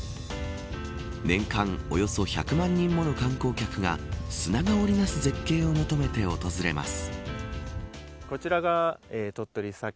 年間およそ１００万人もの観光客が砂が織りなす絶景を求めて訪れます。